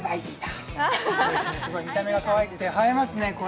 見た目がかわいくて映えますね。